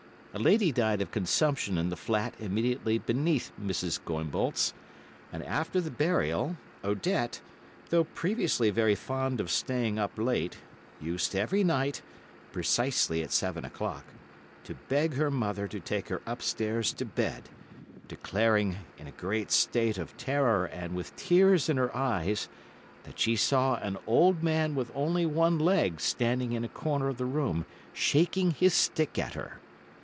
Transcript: A lady died of consumption in the flat immediately beneath Mrs. Goimbault's, and after the burial, Odette, though previously very fond of staying up late, used, every night, precisely at seven o'clock, to beg her mother to take her upstairs to bed, declaring, in a great state of terror and with tears in her eyes, that she saw an old man with only one leg standing in a corner of the room shaking his stick at her.